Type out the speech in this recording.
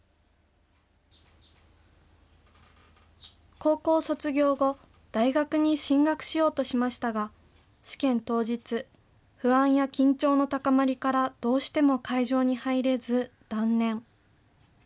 高校卒業後、大学に進学しようとしましたが、試験当日、不安や緊張の高まりから、どうしても会場に入れず断念。